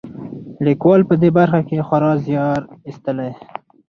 لیکوال په دې برخه کې خورا زیار ایستلی.